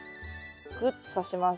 ぐっとさします。